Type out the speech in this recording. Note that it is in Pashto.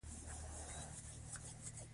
واردات باید کم شي.